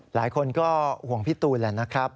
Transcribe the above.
หลายคนก็ห่วงพี่ตูนแหละนะครับ